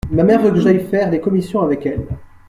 Ma mère veut que j’aille faire les commissions avec elle.